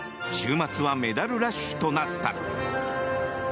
週末はメダルラッシュとなった。